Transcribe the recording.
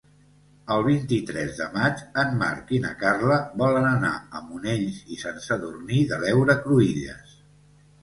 El vint-i-tres de maig en Marc i na Carla volen anar a Monells i Sant Sadurní de l'Heura Cruïlles.